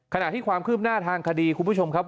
ขณะที่ความคืบหน้าทางคดีคุณผู้ชมครับ